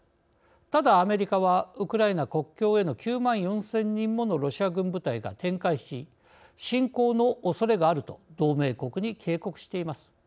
ただアメリカはウクライナ国境への９万４０００人ものロシア軍部隊が展開し侵攻のおそれがあると同盟国に警告しています。